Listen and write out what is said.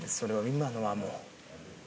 今のはもう。